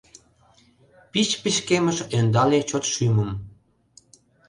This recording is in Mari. Пич пычкемыш ӧндале чот шӱмым.